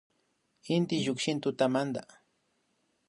Inti llukshin tutamanta